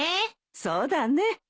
そうだね。